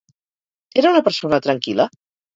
Era una persona tranquil·la?